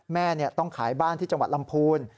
แม่ต้องขายบ้านที่จังหวัดลำพูน